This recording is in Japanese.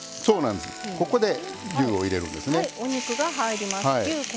ここで牛を入れるんですね。